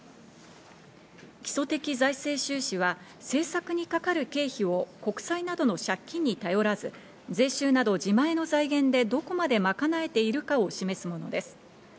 基礎的財政収支は政策にかかる経費を国債などの借金に頼らず税収など自前の財源でどこまで賄えているかを示すものです。